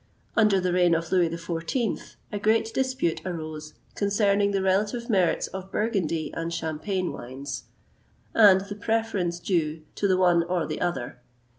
Under the reign of Louis XIV., a great dispute arose concerning the relative merits of Burgundy and Champagne wines, and the preference due to the one or the other.